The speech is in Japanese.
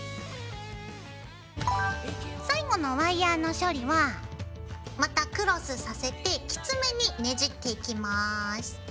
最後のワイヤーの処理はまたクロスさせてきつめにねじっていきます。